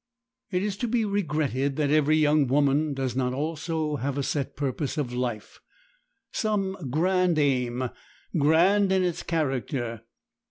It is to be regretted that every young woman does not also have a set purpose of life—some grand aim, grand in its character.